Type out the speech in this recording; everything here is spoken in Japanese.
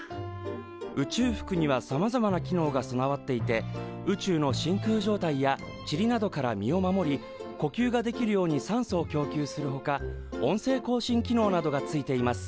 宇宙服にはさまざまな機能が備わっていて宇宙の真空状態やちりなどから身を守り呼吸ができるように酸素を供給するほか音声交信機能などがついています。